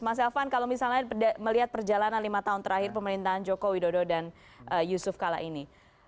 mas elvan kalau misalnya melihat perjalanan lima tahun terakhir pemerintahan joko widodo dan yusuf kala ini